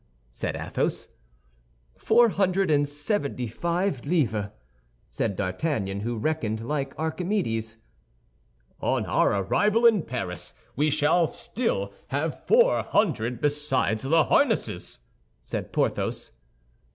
said Athos. "Four hundred and seventy five livres," said D'Artagnan, who reckoned like Archimedes. "On our arrival in Paris, we shall still have four hundred, besides the harnesses," said Porthos.